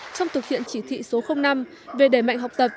trong thực hiện chỉ thị số năm về đẩy mạnh học tập